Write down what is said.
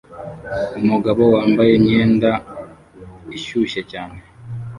Umugabo wambaye imyenda ishyushye cyane